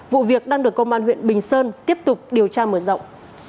vụ việc đang được công an huyện bình sơn tiếp tục điều tra mở rộng